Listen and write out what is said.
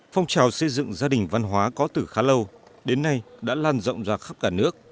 phong trào xây dựng gia đình văn hóa có từ khá lâu đến nay đã lan rộng ra khắp cả nước